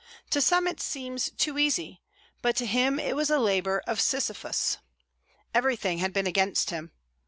To some it seems to be easy, but to him it was a labour of Sisyphus. Everything had been against him.